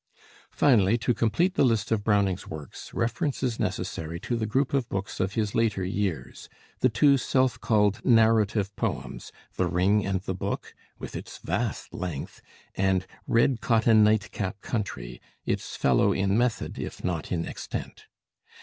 Finally, to complete the list of Browning's works, reference is necessary to the group of books of his later years: the two self called narrative poems, 'The Ring and the Book,' with its vast length, and 'Red Cotton Nightcap Country,' its fellow in method if not in extent.